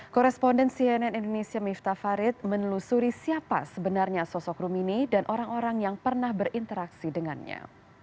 koresponden cnn indonesia miftah farid menelusuri siapa sebenarnya sosok rumini dan orang orang yang pernah berinteraksi dengannya